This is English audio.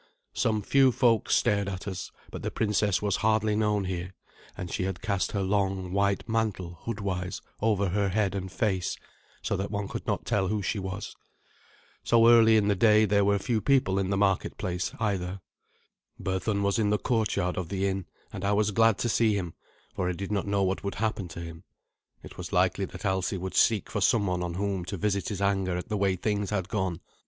Some few folk stared at us; but the princess was hardly known here, and she had cast her long, white mantle hoodwise over her head and face, so that one could not tell who she was. So early in the day there were few people in the marketplace either. Berthun was in the courtyard of the inn, and I was glad to see him, for I did not know what would happen to him. It was likely that Alsi would seek for someone on whom to visit his anger at the way things had gone.